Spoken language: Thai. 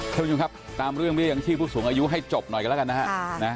คุณผู้ชมครับตามเรื่องเบี้ยยังชีพผู้สูงอายุให้จบหน่อยกันแล้วกันนะฮะ